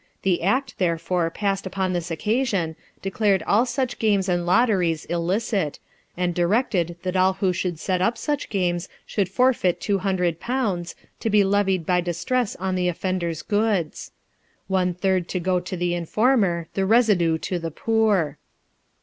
The act, therefore, passed upon this occasion, declared all such games and lotteries illicit, and directed that all who should set up such games should forfeit two hundred pounds, to be levied by distress on the offender's goods ; one third to go to the informer, the residue to the poor.